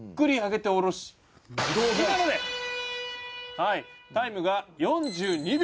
はいタイムが４２秒。